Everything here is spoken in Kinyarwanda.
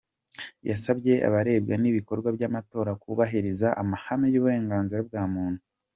Yasabye abarebwa n’ibikorwa by’amatora kubahiriza amahame y’uburenganzira bwa muntu.